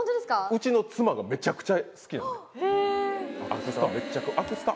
うちの妻がめちゃくちゃ好きなんでアクスタ？